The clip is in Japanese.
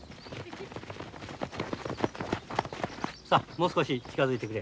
さあもう少し近づいてくれ。